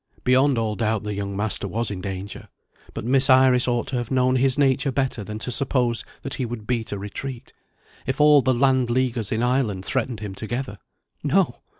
Beyond all doubt the young master was in danger. But Miss Iris ought to have known his nature better than to suppose that he would beat a retreat, if all the land leaguers in Ireland threatened him together. No!